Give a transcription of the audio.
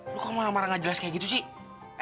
lu kok marah marah gak jelas kayak gitu sih